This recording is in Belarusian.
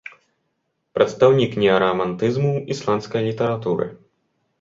Прадстаўнік неарамантызму ў ісландскай літаратуры.